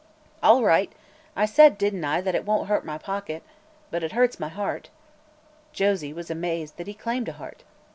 "All right. I said, didn't I, that it won't hurt my pocket? But it hurts my heart." (Josie was amazed that he claimed a heart.)